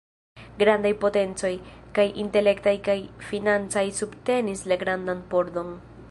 Grandaj potencoj, kaj intelektaj kaj financaj subtenis la "grandan pordon".